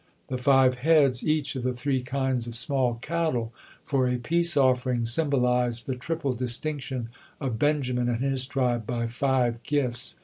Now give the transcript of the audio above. The five heads each of the three kinds of small cattle for a peace offering symbolized the triple distinction of Benjamin and his tribe by five gifts.